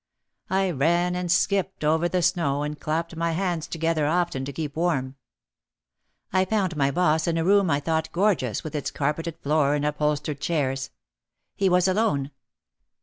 I ran and skipped over the snow, and clapped my hands together often to keep warm. I found my boss in a room I thought gor geous with its carpeted floor and upholstered chairs. He was alone.